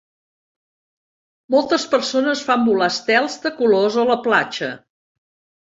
Moltes persones fan volar estels de colors a la platja.